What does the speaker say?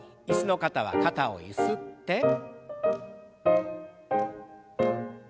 椅子の方は肩をゆすって。